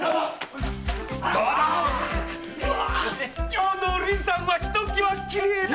今日のお凛さんはひときわ綺麗だ！